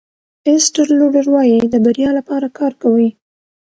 ایسټل لوډر وایي د بریا لپاره کار کوئ.